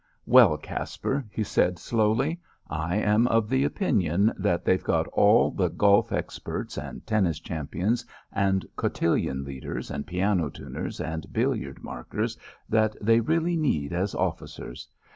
"Well, Caspar," he said slowly, "I am of the opinion that they've got all the golf experts and tennis champions and cotillion leaders and piano tuners and billiard markers that they really need as officers.